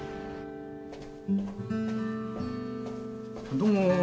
どうも。